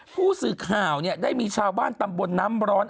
ผู้สื่อข่าวได้มีชาวบ้านตำบลน้ำร้อน